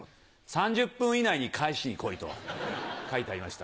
３０分以内に返しに来い」と書いてありました。